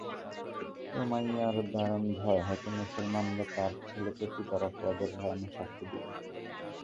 উমাইরের দারুণ ভয়, হয়তো মুসলমানরা তার ছেলেকে পিতার অপরাধের কারণে শাস্তি দিবে।